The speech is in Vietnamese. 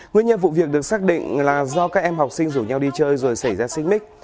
nguyên nhân vụ việc được xác định là do các em học sinh rủ nhau đi chơi rồi xảy ra xích mít